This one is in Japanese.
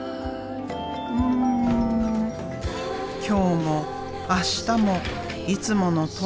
今日も明日もいつものとおり。